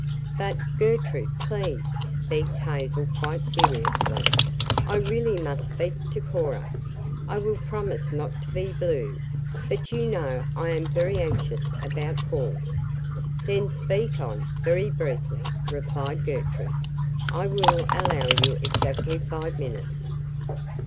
"But, Gertrude, please," begged Hazel quite seriously, "I really must speak to Cora. I will promise not to be blue, but you know I am very anxious about Paul." "Then speak on, very briefly," replied Gertrude. "I will allow you exactly five minutes."